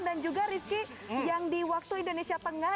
dan juga rizky yang di waktu indonesia tengah